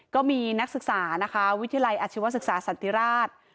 ก็มีนักศึกษานะคะวิทยาลัยอาชีวศึกษาสันติราช